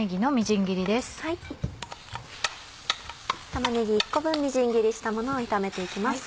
玉ねぎ１個分みじん切りしたものを炒めて行きます。